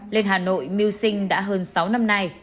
lên hà nội mưu sinh đã hơn sáu năm nay